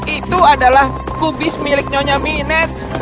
itu adalah kubis milik nyonya minet